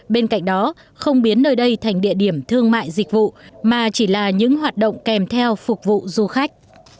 bên cạnh đó không biến nơi đây thành địa điểm thương mại dịch vụ mà chỉ là những hoạt động kèm theo phục vụ du khách